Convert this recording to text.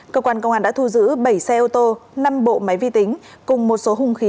cơ quan công an đã thu giữ bảy xe ô tô năm bộ máy vi tính cùng một số hung khí